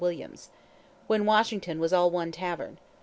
WHEN WASHINGTON WAS ALL ONE TAVERN.